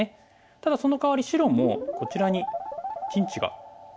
ただそのかわり白もこちらに陣地ができましたよね。